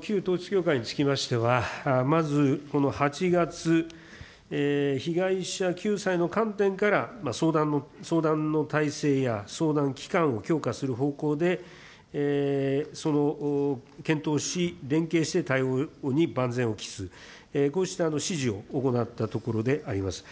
旧統一教会につきましては、まず、この８月、被害者救済の観点から相談の体制や相談きかんを強化する方向で、その検討し、連携して対応に万全を期す、こうした指示を行ったところであります。